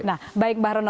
nah baik mbak rona